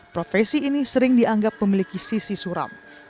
profesi ini sering dianggap memiliki sisi suram